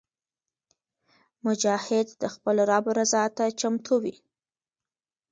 مجاهد د خپل رب رضا ته چمتو وي.